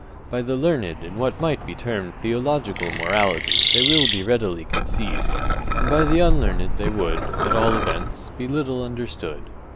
By the learned in what might be termed theological morality they will be readily conceived, and by the unlearned they would, at all events, be little understood.